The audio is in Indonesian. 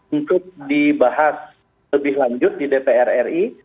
untuk dibahas lebih lanjut di dpr ri